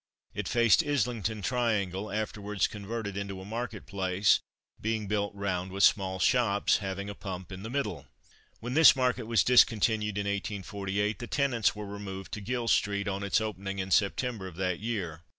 It faced Islington Triangle, afterwards converted into a market place, being built round with small shops, having a pump in the middle. When this market was discontinued in 1848, the tenants were removed to Gill street, on its opening in September of that year.